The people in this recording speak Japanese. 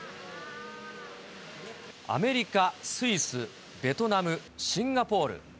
アメリカ、スイス、ベトナム、シンガポール。